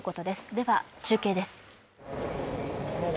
では中継です。